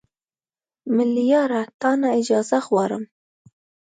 ملیاره تا نه اجازه غواړم